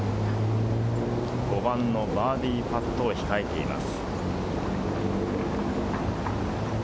５番のバーディーパットを控えています。